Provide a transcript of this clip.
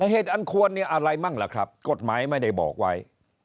เหตุอันควรเนี่ยอะไรมั่งล่ะครับกฎหมายไม่ได้บอกไว้